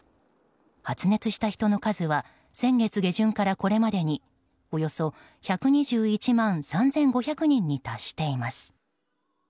発熱した人の数は先月下旬から、これまでにおよそ１２１万３５００人に達しています。